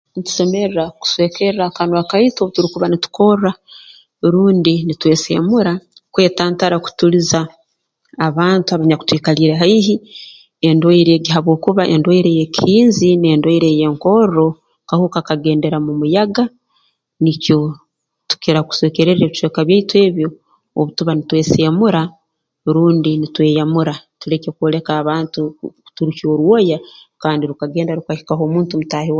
Ntusemerra kuswekerra akanwa kaitu obu turukuba nitukorra rundi nitweseemura kwetantara kutuliza abantu abanyakutwikaliire haihi endwaire egi habwokuba endwaire ey'ekihinzi n'endwaire ey'enkorro kahuka kagendera mu muyaga nikyo tukira kuswekererra ebicweka byaitu ebyo obu tuba nitweseemura rundi nitweyamura tuleke kwoleka abantu kuturukya orwoya kandi rukagenda rukahikaho omuntu mutaahi wa